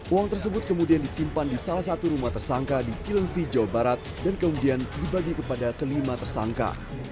uang tersebut kemudian disimpan di salah satu rumah tersangka di cilengsi jawa barat dan kemudian dibagi kepada kelima tersangka